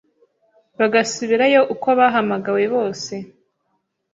bagasubirayo uko bahamagawe bose